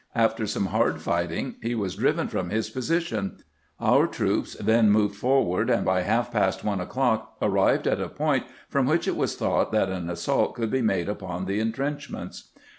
After some hard fighting he was driven from his posi tion ; our troops then moved forward, and by half past one o'clock arrived at a point from which it was thought that an assault could be made upon the intrenchments.